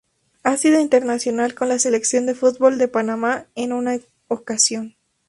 Ha sido internacional con la Selección de fútbol de Panamá en una ocasión.